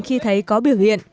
khi thấy có biểu hiện